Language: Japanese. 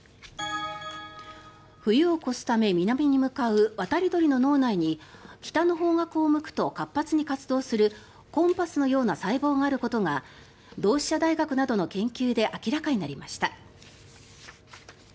冬を越すため南に向かう渡り鳥の脳内に北の方角を向くと活発に活動するコンパスのような細胞があることが同志社大学などの研究で明らかになりました。